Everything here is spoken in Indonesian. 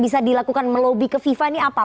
bisa dilakukan melobi ke fifa ini apa